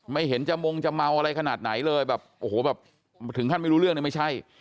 ไม่เห็นจะมงจะเมาอะไรขนาดไหนเลยถึงขั้นไม่รู้เรื่องเลยไม่ใช่